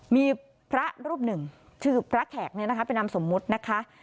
มีพระรูปหนึ่งชื่อพระแขกเนี่ยนะคะเป็นนามสมมุตินะคะ